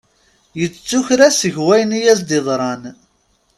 Yettu kra seg wayen i as-iḍran.